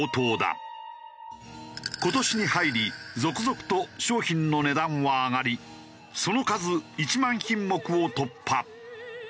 今年に入り続々と商品の値段は上がりその数１万品目を突破。